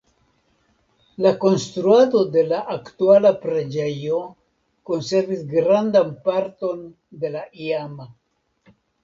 La konstruado de la aktuala preĝejo konservis grandan parton de la iama.